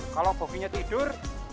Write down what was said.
kalau boginya tidur